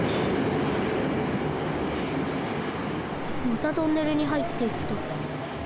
またトンネルにはいっていった。